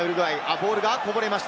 ボールがこぼれました。